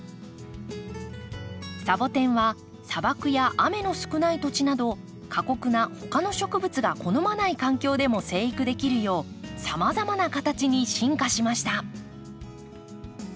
サボテンは砂漠や雨の少ない土地など過酷な他の植物が好まない環境でも生育できるようさまざまな形に進化しました。